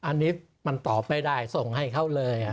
อันนี้มันตอบไม่ได้ส่งให้เขาเลย